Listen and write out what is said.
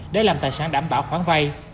để làm tài sản đảm bảo khoản vay